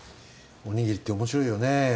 お握りって面白いよね